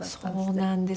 そうなんです。